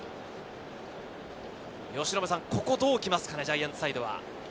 どう来ますかね、ジャイアンツサイドは。